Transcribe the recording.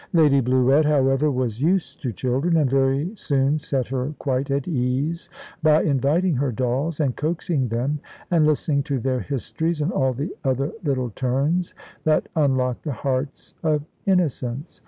Lady Bluett, however, was used to children, and very soon set her quite at ease by inviting her dolls, and coaxing them and listening to their histories, and all the other little turns that unlock the hearts of innocence.